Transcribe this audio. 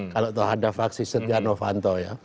kalau tahu ada vaksi setianowanto ya